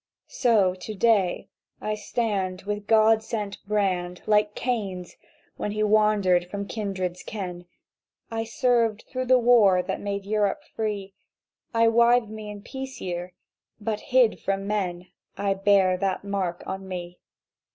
"So, to day I stand with a God set brand Like Cain's, when he wandered from kindred's ken ... I served through the war that made Europe free; I wived me in peace year. But, hid from men, I bear that mark on me.